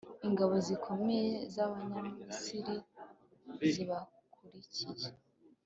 ingabo zikomeye z’abanyamisiri zibakurikiye;